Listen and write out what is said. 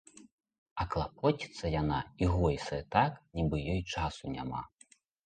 А клапоціцца яна і гойсае так, нібы ёй часу няма.